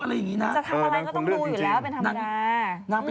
จะทำอะไรก็ต้องดูอยู่แล้วเป็นธรรมดา